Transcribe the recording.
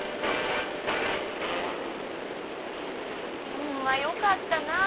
ホンマよかったなあ。